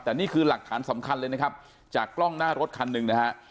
แต่นี่คือหลักฐานสำคัญเลยนะครับจากกล้องหน้ารถคันหนึ่งนะฮะ